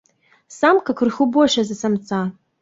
Самка крыху большая за самца.